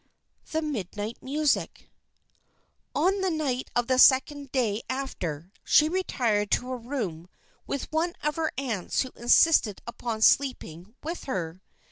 The Midnight Music On the night of the second day after, she retired to her room with one of her aunts who insisted upon sleeping with her.